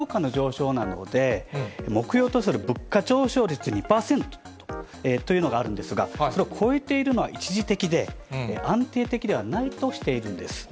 日銀によりますと、今は輸入物価の上昇などで、目標とする物価上昇率２％というのがあるんですが、それを超えているのは一時的で、安定的ではないとしているんです。